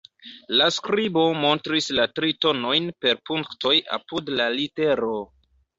La skribo montris la tri tonojn per punktoj apud la litero.